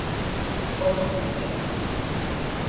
Ок сите.